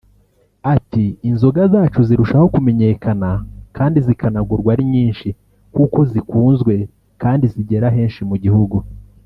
Ati" Inzoga zacu zirushaho kumenyekana kandi zikanagurwa ari nyinshi kuko zikunzwe kandi zigera henshi mu gihugu